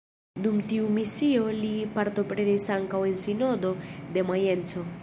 Dum tiu misio li partoprenis ankaŭ en sinodo de Majenco.